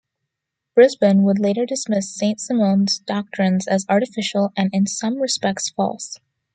Brisbane would later dismiss Saint-Simon's doctrines as artificial and in some respects false.